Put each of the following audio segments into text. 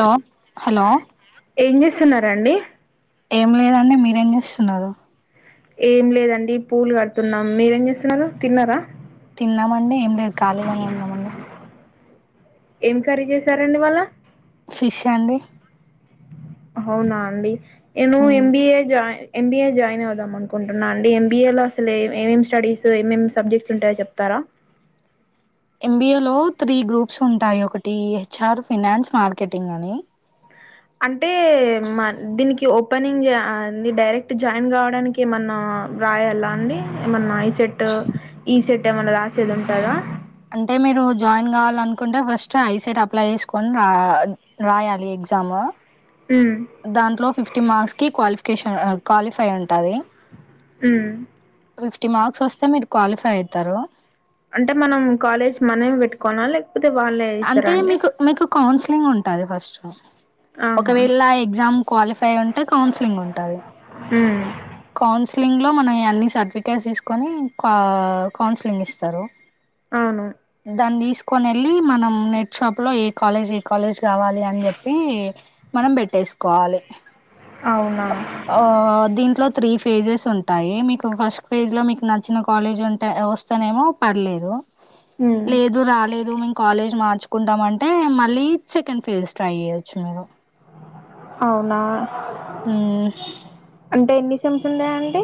Hello hello ఏం చేస్తున్నారండి ఏం లేదండి మీరేం చేస్తున్నారు ఏం లేదండి పూలు కడుతున్నాం మీరేం చేస్తున్నారు తిన్నారా తిన్నామండి ఏం లేదు ఖాళీగానే ఉన్నామండి ఏం కర్రీ చేసారండి మళ్ళ ఫిష్ అండి అవునా అండి నేను ఎంబిఏ జాయి ఎంబీఏ జాయిన్ అవుదాం అనుకుంటున్నా అండి ఎంబీఏలో అసలు ఏ ఏమేమి స్టడీస్ ఏమేమి సబ్జెక్ట్స్ ఉంటాయో చెప్తారా అ ఎంబిఏ లో త్రీ గ్రూప్స్ ఉంటాయి ఒకటి హెచ్ఆర్ ఫినాన్స్ మార్కెటింగ్ అని అంటే దీనికి ఓపెనింగ్ అ డైరెక్ట్ జాయిన్ కావడానికి ఏమన్న రాయాలా అండి ఏమన్నా ఈ సెట్ ఈ సెట్ ఏమైన్నా రాసేది ఉంటదా అంటే మీరు జాయిన్ కావాలనుకుంటే ఫస్ట్ ఐసెట్ అప్లై చేసుకొని రా రాయాలి ఎగ్జామ్ ఉమ్, దాంట్లో ఫిఫ్టీ మార్క్స్ కి క్వాలిఫికేషన్ క్వాలిఫై ఉంటది ఉమ్ ఫిఫ్టీ మార్క్స్ వస్తే మీరు క్వాలిఫై అవుతారు అంటే మనం కాలేజ్ మనం పెట్టుకోనల అంటే మీకు మీకు కౌన్సిలింగ్ ఉంటది ఫస్ట్ ఆహా ఒకవేళ ఎగ్జామ్ క్వాలిఫై ఉంటే కౌన్సిలింగ్ ఉంటది ఉమ్ కౌన్సిలింగ్ లో మనం అన్ని సర్టిఫికేట్స్ తీసుకొని కౌన్సిలింగ్ ఇస్తారు అవును దాన్ని తీసు కొన వెళ్ళి మనం నెట్ షాప్ లో ఏ కాలేజ్ ఏ కాలేజ్ కావాలి అని చెప్పి మనం పెట్టే తీసుకోవాలే అవునా ఆ దీంట్లో త్రీ ఫేజెస్ ఉంటాయి మీకు ఫస్ట్ ఫేజ్ లో మీకు నచ్చిన కాలేజ్ ఉంటే వస్తానేమో పర్లేదు ఉమ్ లేదు రాలేదు కాలేజ్ మార్చుకుంటామ అంటే మళ్ళీ సెకండ్ ఫేజ్ ట్రై చేయొచ్చు మీరు అవునా ఉమ్ సేమ్స్ ఉంటాయా అండి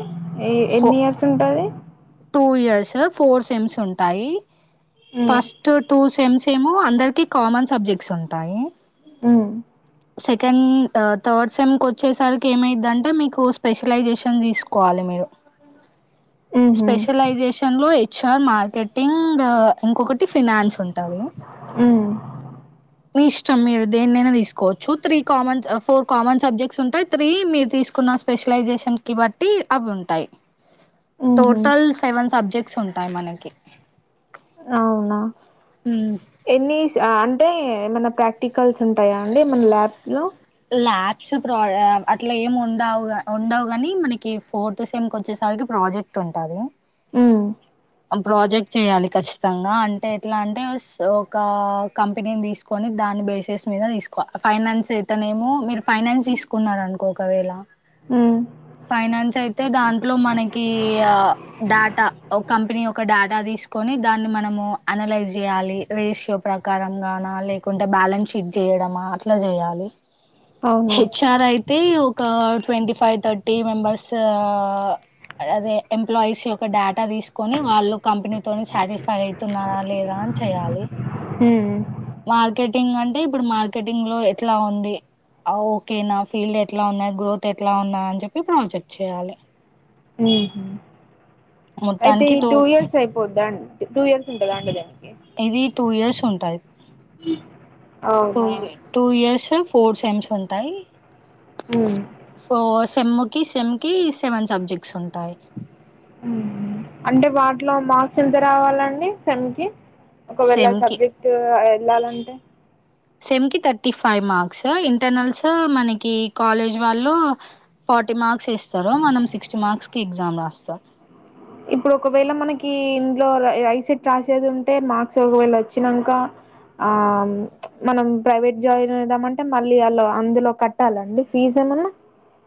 ఏ ఎన్ని ఇయర్స్ ఉంటది టూ ఇయర్స్ ఫోర్ సెమ్స్ ఉంటాయి. ఉమ్ ఫస్ట్ టూ సె సేమ్స్ ఏమో అందరికి కామన్ సబ్జెక్ట్స్ ఉంటాయి. హు సెకండ్ ఆ థర్డ్ సెమ్కి వచ్చేసరికి ఏమైదంటే మీకు స్పెషలైజేషన్ తీసుకోవాలె మీరు. అ స్పెషలైజేషన్ లో హెచ్ ఆర్, మార్కెటింగ్ ఇంకొకటి ఫినాన్స్ ఉంటది. ఉమ్ మీ ఇష్టం మీరు దేనినైనా తీసుకోవచ్చు. Three common four common subjects ఉంటయి, త్రీ మీరు తీసుకు న్న స్పెషలైజేషన్ కి బట్టి అవి ఉంటాయి. ఉహు టోటల్ సెవెన్ సబ్జెక్ట్స్ ఉంటాయి మనకి. అవునా ఎన్ని అంటే ఏమన్నా ప్రాక్ టికల్స్ ఉంటాయా అండి మన ల్యాబ్ లో. ల్యాబ్స్ ప్ర అట్లా ఏం ఉండవు ఉండవు కని మనకి ఫోర్త్ సేమ్కి వచ్చేసరికి దానికి ప్రాజెక్ట్ ఉంటాది. హ్ ప్రాజెక్ట్ చేయాలి ఖచ్చితంగా అంటే ఎట్లా అంటే స్ ఒక కంపెనీని తీసుకొని దాని దాని బేసెస్ మీద తీసుకో ఫైనాన్స్ అయితేనేమో మీరు ఫైనాన్స్ తీసుకున్నారనుకో ఒకవేళ ఉమ్ ఫైనాన్స్ అయితే దాంట్లో మనకి డాటా ఒక డేటా తీసుకొని దాన్ని మనము అనలైజ్ చేయాలి. రేషియో ప్రకారం గాన లేకుంటే బ్యాలెన్స్ షీట్ చేయడమా అట్లా చేయాలి. అవును హెచ్ ఆర్ అయితే ఒక ట్వంటీ ఫైవ్ థర్టీ మెంబర్స్ అదే ఎంప్లాయీస్ యొక్క డాటా తీసుకొని వాళ్ళు కంపెనీ తోని సాటిస్ఫై అయితున్నార లేదా అని చెయాలి. ఉమ్ మార్కెటింగ్ అం టే ఇప్పుడు మార్కెటింగ్ లో ఎట్లా ఉంది ఓకేనా ఫీల్డ్ ఎట్లా ఉన్నయి, గ్రోత్ ఎట్లా ఉన్నాయి అని చెప్పి ప్రాజెక్ట్ చేయాలె. ఉ అయితే ఈ టూ ఇయర్స్ అయిపోద్దాండి. టూ ఇయర్స్ ఉంటదా అండి దానికి. ఇది టూ ఇయర్స్ ఉంటాయి అవునా టూ ఇయర్స్ ఫోర్ సెమ్స్ ఉంటాయి ఉమ్ ఫోస్ సెమ్ కి సెమ్ కి సెవెన్ సబ్జెక్ట్స్ ఉంటాయి. అంటే వాటిలో మార్క్స్ ఎంత రావాలండి సెమ్కి. ఒకవేళ సెమ్ కి సబ్జెక్ట్స్ ఎళ్ళాలంటే. సేమ్ కి థర్టీ ఫైవ్ మార్క్స్. ఇంటర్నల్స్ మనకి కాలేజ్ వాళ్ళు ఫార్టీ మార్క్స్ ఏస్తారు మనం సిక్స్టీ మార్క్స్ కి ఎగ్జామ్ రాస్తాం. ఇప్పుడు ఒకవేళ మనకి ఇంద్లో ఐసెట్ రాసేది ఉంటే మార్క్స్ ఒకవేళ వచ్చినంకా ఆ మనం ప్రైవేట్ జాయిన్ అయిదామ అంటే మళ్ళీ అల్లో అందులో కట్టాలండి ఫీజు. ఎమన్నా.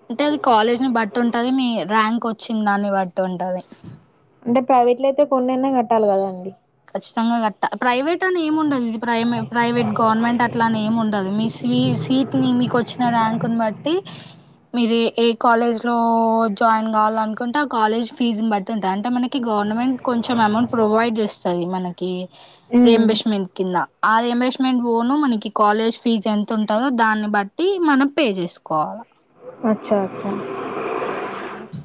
అంటే అది కాలేజ్ ని బట్టి ఉంటది, మీ ర్యాంక్ వచ్చిన దాన్ని బట్టి ఉంటది. అంటే ప్రైవేట్ల అయితే కొన్ని అన్నా కట్టాలి కదండి. ఖచ్చితంగా కట్టా ప్రైవేట్ అని ఏమి ఉండదు. ఇది ప్రైమే ప్రైవేట్ గవర్నమెంట్ అట్ల అని ఏమి ఉండదు. మీ స్వీ సీట్ని మీకు వచ్చిన ర్యాంకుని బట్టి మీరు ఏ కాలేజ్ లో జాయిన్ కావాల్ననుకుంటే ఆ కాలేజ్ ఫీజును బట్టి ఉంటది అంటే మనకి గవర్నమెంట్ కొంచెం అమౌంట్ ప్రొవైడ్ చేస్తది మనకి మ్మ్. రియంబర్స్మెంట్ కింద. ఆ రియంబర్స్మెంట్ పోను మనకి కాలేజ్ ఫీజ్ ఎంత ఉంటుందో దాన్ని బట్టి మనం పే చేసుకోవాలా. అచ్చా అచ్చా. ఉట్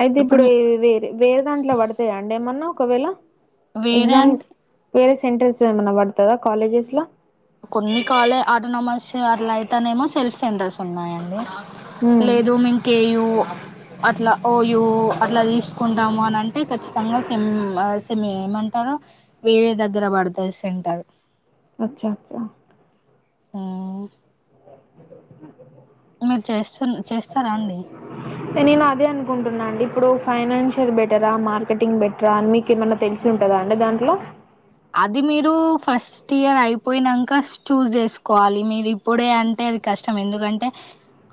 అయితే ఇప్పుడు వేర వేరే దాంట్ల పడతయా అండి ఏమన్నా ఒకవేళ. వేరే ఎగ్జామ్ అంటే వేరే సెంటర్స్ ఏమన్నా పడుతదా కాలేజెస్ లా కొన్ని కాలేజేస్ అటనామస్ అట్లా అయితేనేమో సెల్ఫ్ సెంటర్స్ ఉన్నాయండి. హ్మ్ లేదు మేం కేయు అట్లా ఓయూ అట్లా తీసుకుంటాము అనంటే ఖచ్చితంగా సెమ్ సెమ్మే ఏమంటారు వేరే దగ్గర బడతది సెంటరు అచ్చా ఉమ్ చేస్తు [inaudible] చేస్తారా అండి నేను అదే అనుకుంటున్నా అండి ఇప్పుడు ఫైనాన్షియల్ బెటరా మార్కెటింగ్ బెటరా అని మీకు ఏమన్నా తెలిసి ఉంటందా అండి దాంట్లో అది మీరు ఫస్ట్ ఇయర్ అయిపోయినంక చూజ్ చేసుకోవాలి మీరు ఇప్పుడే అంటే అది కష్టం ఎందుకంటే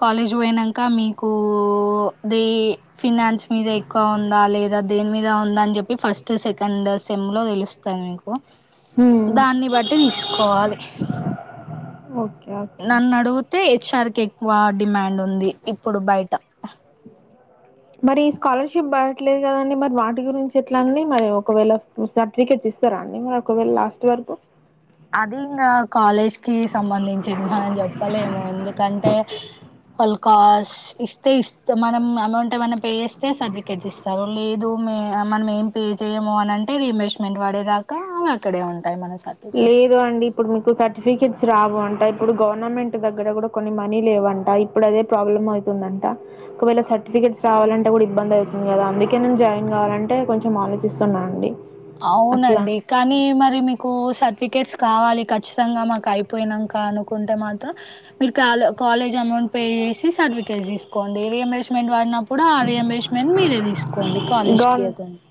కాలేజ్ పోయినంక మీకు దే ఫినాన్స్ మీద ఎక్కువ ఉందా లేదా దేని మీద ఉందని చెప్పి ఫస్ట్ సెకండ్ సెమ్ లో దెలుస్తది మీకు హ్మ్ దాన్ని బట్టి తీసుకోవాలి ఓకే ఓకే నన్న నడుగుతే ఎచ్ఆర్కె వా డిమాండ్ ఉంది ఇప్పుడు బయట మరి ఈ స్కాలర్షిప్ పడట్లేదు కదండి మరి వాటి గురించి ఎట్లానే మరి ఒకవేళ సర్టిఫికెట్స్ ఇస్తారా అండి మరి ఒకవేళ లాస్ట్ వరకు అది ఇంగా కాలేజ్ కి సంబంధించిది మనం జెప్పలేము ఎందుకంటే వాల్ కాస్ ఇస్తే ఇస్త మనం అమౌంట్ ఏమై పే చేస్తే సర్టిఫికేట్స్ ఇస్తారు లేదు మనం ఏం పే జేయము అంటే రీయంబర్స్మెంట్ పడేదాకా అక్కడే ఉంటాయి మన సర్టిఫికెట్ ఇగో అండి ఇప్పుడు మీకు సర్టిఫికెట్స్ రావు అంట ఇప్పుడు గవర్నమెంట్ దగ్గర కూడా కొన్ని మనీ లేవంట ఇప్పుడు ఇదే ప్రాబ్లమ్ అయితుందంట ఒకవేళ సర్టిఫికెట్స్ రావాలంటే కూడా ఇబ్బంది అయితుంది గదా అందుకే నేన్ జాయిన్ గాలే అంటే కొంచెం ఆలోచిస్తున్నా అండి అట్లా అవునండి కానీ మరి మీకు సట్ ఫికెట్స్ కావాలి ఖచ్చితంగా మాకు అయిపోయినాక అనుకుంటే మాత్రం మీరు కాలేజ్ అమౌంట్ పే చేసి సర్టిఫికేట్ తీసుకోండి ర రీయంబేస్మెంట్ వాడినప్పుడు ఆ రియం బేస్మేంట్ న్ మీరే తీసుకోండి కాలేజ్కి గవర్ ఇయ్యకండి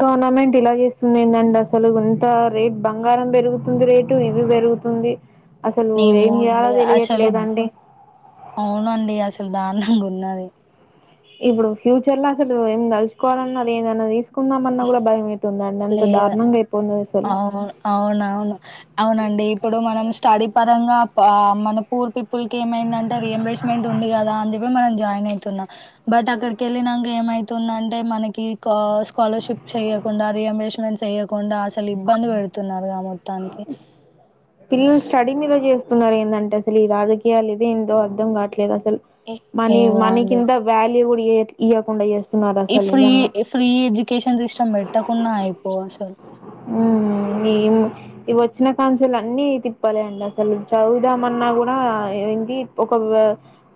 గవర్నమెంట్ ఇలా చేస్తుంది ఏంటండి అసలు ఇంత రేట్ బంగారం బెరుగుతుంది రేటు ఇవి బెరుగుతుంది వే ఏమో అండి అసలు అవునండి అసలు దారుణంగా ఉన్నది ఇప్పుడు ఫ్యూచర్ లో అసలు ఏం దలుచుకోవాలన్నా ఏదన్నా దీసుకుందామన్నా గూడా భయం అన్నంత లేదు దారుణంగాఅయిపోంది అవును అవునవును అవునండి ఇప్పుడు మనం స్టడీ ప విధంగా మన పూర్ పీపుల్ కి ఏమైందంటే రియంబర్స్మెంట్ ఉంది గదా అందుకే మనం జాయిన్ అయితున్నాం బట్ అక్కడి కెళ్ళినాక ఏమైతుందంటే మనకి స్కాలర్షిప్ చెయ్యకుండా రియంబేస్మెంట్ చెయ్యకుండా అసలు ఇబ్బంది పెడుతున్నారుగా ఇగ మొత్తానికి పిల్లలు స్టడీ మీద జేస్తున్నారు ఏందంటే అసలు ఈ రాజకీయాలు ఇదే ఏందో అర్థం కాట్లేదు అసలు ఏ మనీ ఏమో మనీ అండి కింద వ్యాల్యూ కూడా ఇయ్యకుండా చేస్తు ఈ ఫ్రీ ఫ్రీ ఎడ్యుకేషన్ సిస్టమ్ పెట్టకున్నా అయిపోవ్ అసలు ఉమ్ ఇవి వచ్చిన కానించి అన్ని తిప్పలే అండి అసలు చదువుదామన్నా కూడా ఏంది ఒక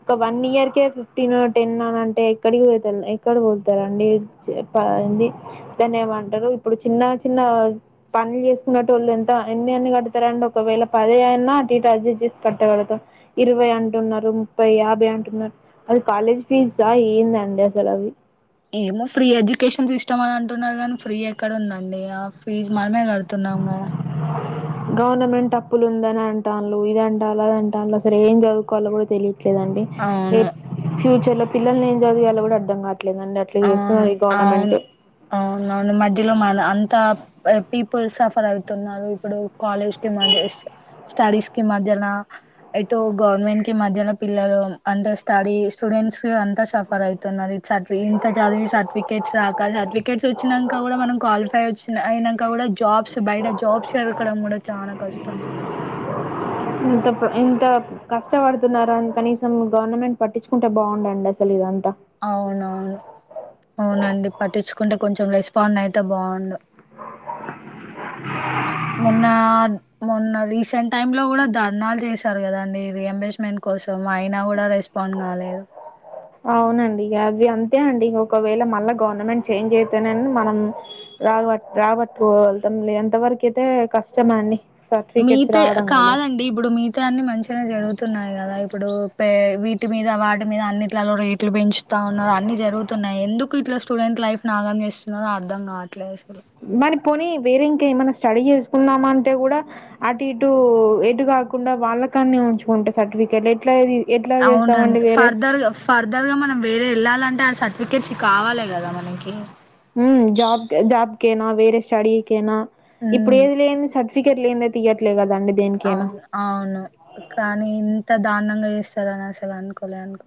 ఒక వన్ ఇయర్కే ఫిఫ్టీన్ టెన్ అని అంటే ఎక్కడికి పోతారు ఎక్కడ పోలుతారండి దాని ఏమంటారు ఇప్పుడు చిన్న చిన్న పనులు చేసుకున్నెట్టోళ్ళు ఎంత ఎన్ని అన్ని కడతారండి ఒకవేళ పది అయినా అటు ఇటు అర్జెస్ట్ చేసి కట్టగలుగుతాం ఇరవై అంటున్నారు ముప్పై యాభై అంటున్నారు అది కాలేజ్ ఫీజా ఏం దండి అసలవి ఏమో ఫ్రీ ఎడ్యుకేషన్ సిస్టమ్ అని అంటున్నారు గానీ ఫ్రీ ఎక్కడ ఉందండి ఆ ఫీజ్ మనమే గడుతున్నా టం గదా అ గవర్నమెంట్ అప్పులు ఉందని అంటాను ఇది అంటాల అద అంట వాళ్ అసలు ఏం చదువుకోవాలో కూడా తెలియ ట్లేదండి ఏ అవును ఫ్యూచర్ లో పిల్లల్ని ఏం చదివియ్యలో కూడా అర్థం కాద్ అవున్ అవున్ అవునవును మధ్యలో మా అంతా పీపుల్ సఫర్ అవుతున్నారు ఇప్పుడు కాలేజ్ కి మాధస్ స్టడీస్ కి మధ్యన ఎటుో గవర్నమెంట్ కి మధ్యన పిల్లలు అంటే స్టడీ స్టుడ్ స్ అంతా సఫర్ అవుతున్నారు సార్ట్ ఇంత చదివి సర్టిఫికేట్స్ రాక సర్టిఫికేట్స్ వచ్చినంక కూడా మనం క్వాలిఫై వచ్చిన అయినంక కూడా జాబ్స్ బయట జాబ్స్ దొరకడం కూడా చానా కష్టంగా ఉన్నది కదండీ ఇంత ఇంత కష్టపడుతున్నారని కనీసం గవర్నమెంట్ పట్టించుకుంటే బాగుండండి అసలు ఇదంతా అవునవును అవునండి పట్టించుకుంటే కొంచెం రెస్పాండ్ అయితే బాగుండు మొన్న మొన్న రీసెంట్ టైమ్ లో కూడా ధర్నాలు చేశారు కదండి రి అంబే మేంట్ కోసం అయినా కూడా రెస్పాండ్ కాలేదు అవునండి ఇగ అవి అంతే అండి ఇక ఒకవేళ మళ్ళా గవర్నమెంట్ చేంజ్ అయితేనని మనం రాగవట్ రాబట్టుకొగలతం లే అంతవరకయితే కష్టమే అండి మిగతా కాదండి ఇప్పుడు మిగతా అన్నిీ మంచిగానే జరుగుతున్నాయి కదా ఇప్పుడు పె వీటి మీద వాటి మీద అన్నిట్లలో రేట్లు పెంచుతా ఉన్నారు అన్ని జరుగుతున్నాయి ఎందుకు ఇట్ల స్టూడెంట్ లైఫ్ నాగాం చేస్తున్నారో అర్థ కావట్లేదు అసలు బని పోనీ వేరే ఇంకా ఏమై స్టడీ చేసుకున్నామ అంటే కూడా అటు ఇటు ఎటు కాకుండా వాళ్ళకాన్నే ఉంకుంటే సర్టిఫికెట్ ఎట్లాది అవునండి ఫర్దర్గా ఫర్దర్ గా మనం వేరే వెళ్ళాలంటే ఆ స ఫికెట్స్ కావాలి కదా మనకి ఉమ్ జాబ్ జాబ్కేనా వేరే స్టడీకేనా ఇప్పుడు ఉమ్, ఏది లేని స ఫికెట్ లేంది అయితే ఇయ్యట్లే గ అవును అవును కానీ ఇంత దాని రనంగా చెస్తార ని అస్సలు అనుకూలే అనుక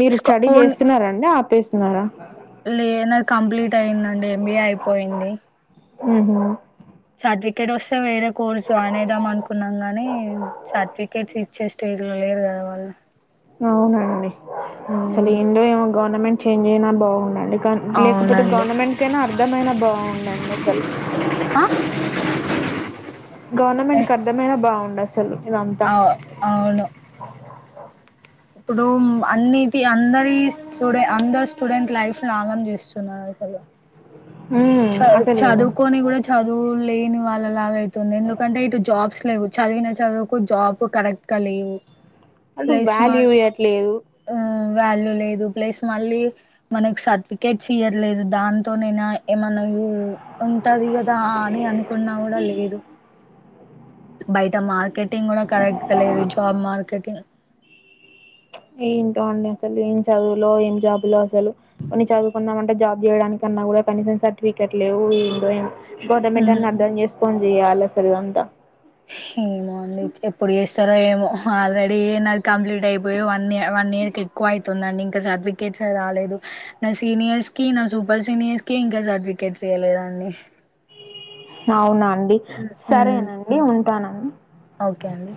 మీరు స్టడీ చేస్తున్నారాండి ఆపేస్తున్నారా లే నాది కంప్లీట్ అయిందండి ఎంబీఏ అయిపోయింది ఉహ్మ్ సర్టిఫికేట్ వస్తే వేరే కోర్స్ జాయిన్ అయిదాం అనుకున్నాం గానీ సర్టిఫికేట్స్ ఇచ్చే స్టేజ్ లో లేరు కదా వాళ్ళు అవునండి అసలు ఏందొ ఏమో గవర్నమెంట్ చేంజ్ అయినా బాగుండండి లేకపోతే అవునండి గవర్నమెంట్ కైనా అర్ధమయినా బాగుండండి అసలు ఆ గవర్నమెంట్ కర్థం అయినా బాగుండ అస అవు అవును ఆ ఇప్పుడు అన్నిటి అందరి స్టూడె అందరు స్టూడెంట్ లైఫ్ ను నాగం చేస్తున్నారు సార్ ఇ ఉమ్ చ అసలు చదువుకొని కూడా చదువులేని వాళ్ళ లాగ అయితుంది ఎందుకంటే ఇటు జాబ్స్ లేవ్ చదివిన చదువుకు జాబ్ కరెక్ట్గా లేవు అటు వాల్యూ ఇయ్యట్లేదు ఉమ్ వాల్యూ లేదు ప్లస్ మళ్ళీ మనకి సర్టిఫికేట్స్ ఇయట్లేదు దాంతోనేనా ఏమన్నా యూస్ ఉంటది కదా అని అనుకున్నా కూడా లేదు బయట మార్కెటింగ్ కూడా కరెక్ట్ గా లేదు జాబ్ మార్కెటింగ్ ఏంటో అండి అసలు ఏం చదువులో ఏం జాబులో అసలు కొన్ని చదువుకున్నాంమ జాబ్ చేయడానికిన్నా కూడా కనీస సర్టిఫికెట్ లేవు ఏం లేవు గవర్నమెంట్ హ్మ్. అన్న అర్థం చేస్ కొన్ జెయ్యాలె అసలు ఇదంతా ఏమో అండి ఎప్పుడు చేస్తారో ఏమో ఆల్రెడీ కంప్లీట్ అయిపోయి వన్ ఇయర్ వన్ ఇయర్ క ఎక్కువ అవుతుందండి ఇంకా సర్టిఫికేట్స్ రాలేదు నా సీనియర్స్ కి నా సూపర్ సీనియర్స్ కి ఇంకా సర్టిఫికేట్స్ చేయలేదుం అ అవునాండి హ్మ్. సరేనండి ఉంటానన్న ఓకే అండి